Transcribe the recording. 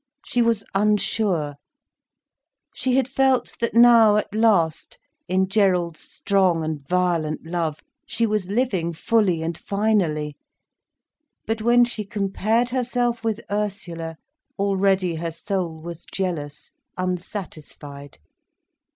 She was unsure. She had felt that now, at last, in Gerald's strong and violent love, she was living fully and finally. But when she compared herself with Ursula, already her soul was jealous, unsatisfied.